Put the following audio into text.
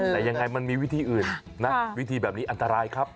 แต่ยังไงมันมีวิธีอื่นนะวิธีแบบนี้อันตรายครับ